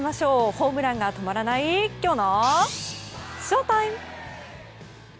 ホームランが止まらないきょうのＳＨＯＴＩＭＥ！